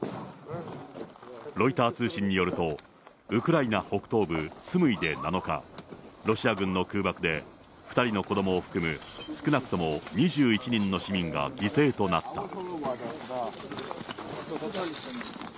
ロイター通信によると、ウクライナ北東部スムイで７日、ロシア軍の空爆で、２人の子どもを含む少なくとも２１人の市民が犠牲となった。